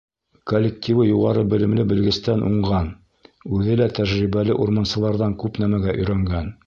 Коллективы юғары белемле белгестән уңған, үҙе лә тәжрибәле урмансыларҙан күп нәмәгә өйрәнгән.